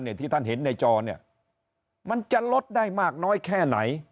ที่ท่านเห็นในจอเนี่ยมันจะลดได้มากน้อยแค่ไหน